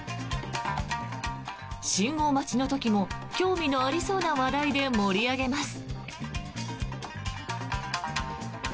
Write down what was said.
信号待ちの時も興味のありそうな話題で盛り上げます。